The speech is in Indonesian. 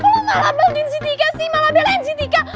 lo malah beliin si tika sih malah belain si tika